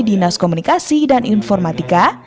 dinas komunikasi dan informatika